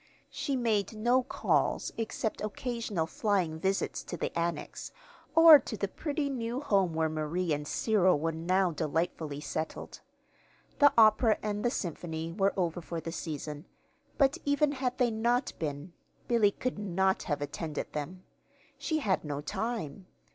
She made no calls except occasional flying visits to the Annex, or to the pretty new home where Marie and Cyril were now delightfully settled. The opera and the Symphony were over for the season, but even had they not been, Billy could not have attended them. She had no time.